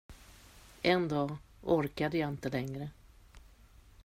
En dag orkade jag inte längre.